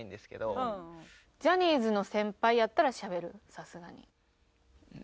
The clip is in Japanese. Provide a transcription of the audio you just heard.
さすがに。